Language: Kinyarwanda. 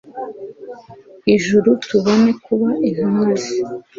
ijuru; tubone kuba intumwa ze